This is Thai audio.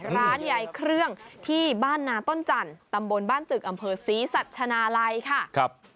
ร้านยายเครื่องที่บ้านนาต้นจันทร์ตำบลบ้านตึกอำเภอศรีสัชนาลัยค่ะ